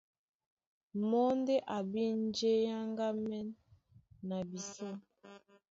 Mɔ́ ndé a bí njé é áŋgámɛ́n na bisɔ́.